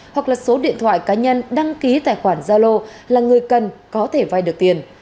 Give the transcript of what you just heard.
hoặc là số điện thoại cá nhân đăng ký tài khoản gia lô là người cần có thể vay được tiền